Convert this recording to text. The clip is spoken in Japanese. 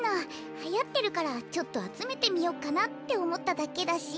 はやってるからちょっとあつめてみよっかなっておもっただけだし。